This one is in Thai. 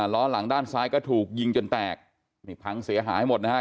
ล้อหลังด้านซ้ายก็ถูกยิงจนแตกนี่พังเสียหายหมดนะฮะ